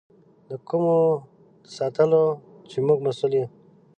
د کومو د ساتلو چې موږ مسؤل یو.